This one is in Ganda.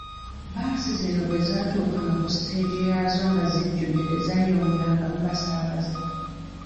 Bbaasi zino bwe zaatuukanga ku siteegi yaazo nga zijjudde tezaayongerangamu basaabaze.